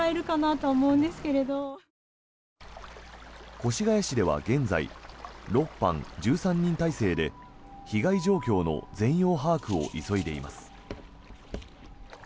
越谷市では現在、６班１３人態勢で被害状況の全容把握を急いでいます。